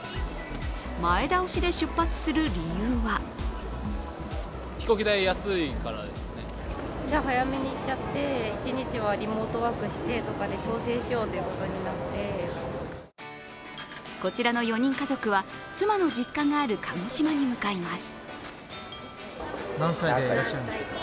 前倒しで出発する理由はこちらの４人家族は、妻の実家がある鹿児島に向かいます。